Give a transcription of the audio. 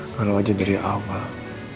kalau saja dari awal